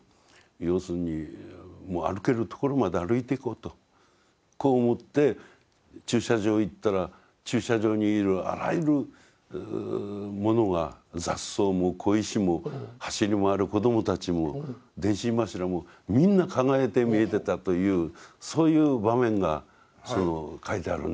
要するにもう歩けるところまで歩いていこうとこう思って駐車場へ行ったら駐車場にいるあらゆるものが雑草も小石も走り回る子どもたちも電信柱もみんな輝いて見えてたというそういう場面が書いてあるんですよ。